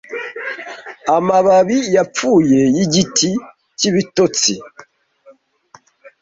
Amababi yapfuye yigiti cyibitotsi,